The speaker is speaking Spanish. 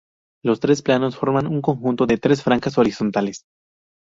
Los tres planos forman un conjunto de tres franjas horizontales.